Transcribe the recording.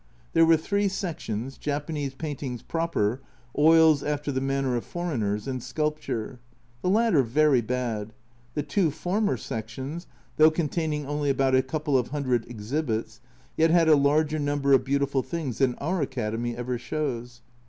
There were three sections, Japanese paintings proper, oils after the manner of foreigners, and sculpture. The latter very bad ; the two former sections, though containing only about a couple of hundred exhibits, yet had a larger number of beautiful things than our Academy ever shows.